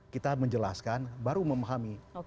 kita menjelaskan baru memahami